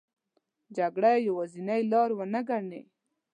جګړه یوازینې لار ونه ګڼي.